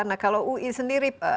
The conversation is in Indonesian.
nah kalau ui sendiri